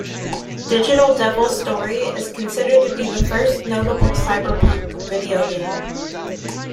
"Digital Devil Story" is considered to be the first notable cyberpunk video game.